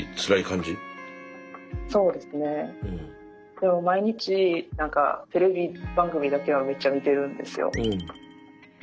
でも毎日テレビ番組だけはめっちゃ見てるんですよ。